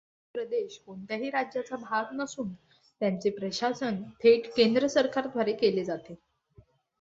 हे प्रदेश कोणत्याही राज्याचा भाग नसून त्यांचे प्रशासन थेट केंद्र सरकारद्वारे केले जाते.